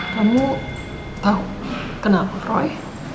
kamu tahu kenapa roy